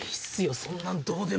そんなんどうでも。